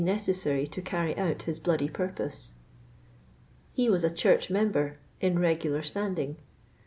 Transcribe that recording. necessary tQ carry out his bloody purpose. Ho was a church member, " in regular standing.'